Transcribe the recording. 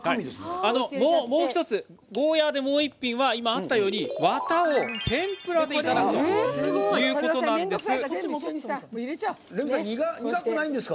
もう１つゴーヤーでもう１品はワタを天ぷらでいただくということなんです。